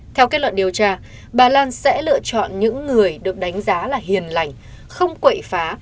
theo kết luận điều tra bà lan sẽ lựa chọn những người được đánh giá là hiền lành không quậy phá